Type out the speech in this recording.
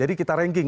jadi kita ranking